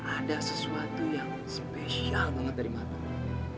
ada sesuatu yang spesial banget dari mata lo